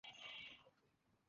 ওর লোকজন নিয়ে এখানে আসছে ও।